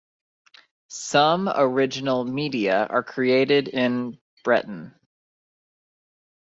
Some original media are created in Breton.